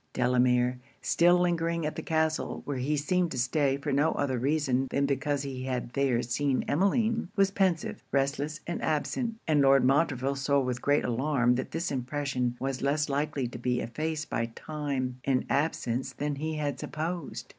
Delamere, still lingering at the castle, where he seemed to stay for no other reason than because he had there seen Emmeline, was pensive, restless, and absent; and Lord Montreville saw with great alarm that this impression was less likely to be effaced by time and absence than he had supposed.